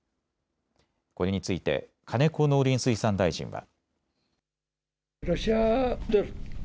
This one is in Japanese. これについて金子農林水産大臣は。